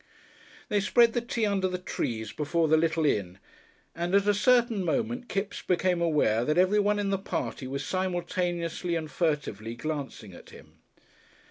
They spread the tea under the trees before the little inn, and at a certain moment Kipps became aware that everyone in the party was simultaneously and furtively glancing at him.